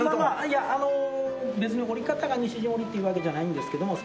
いやあの別に織り方が西陣織っていうわけじゃないんですけども。